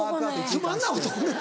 つまんない男ね。